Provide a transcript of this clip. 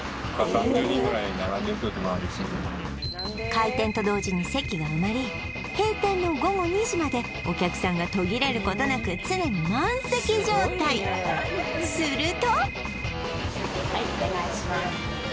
開店と同時に席が埋まり閉店の午後２時までお客さんが途切れることなく常に満席状態するとはいお願いします